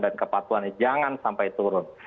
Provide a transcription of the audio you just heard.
dan kepatuhannya jangan sampai turun